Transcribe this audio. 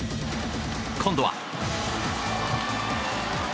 今度は。